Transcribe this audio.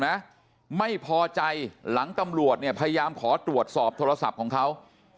นะไม่พอใจหลังตำรวจเนี่ยพยายามขอตรวจสอบโทรศัพท์ของเขา